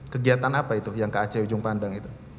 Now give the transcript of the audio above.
kegiatan apa itu yang ke ac ujung pandang itu